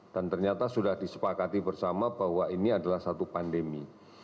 dan ternyata sudah disepakati bersama bahwa ini adalah satu pandemi